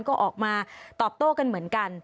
ก็ออกมาตอบโต้กันเหมือนกัน